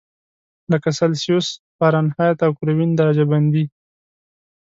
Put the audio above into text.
لکه سلسیوس، فارنهایت او کلوین درجه بندي.